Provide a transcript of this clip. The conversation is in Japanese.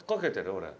俺。